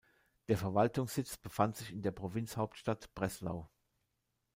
Der Verwaltungssitz befand sich in der Provinzhauptstadt Breslau.